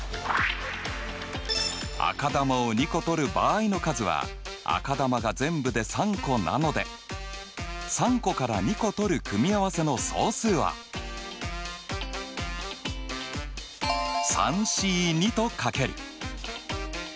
赤球を２個取る場合の数は赤球が全部で３個なので３個から２個取る組み合わせの総数はと書ける。